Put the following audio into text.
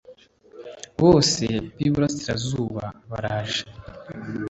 bose b’iburasirazuba baraje